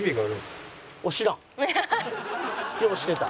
ようしてた。